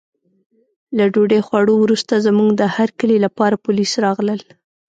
له ډوډۍ خوړو وروسته زموږ د هرکلي لپاره پولیس راغلل.